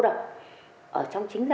ở trong chính gia đình nhà mình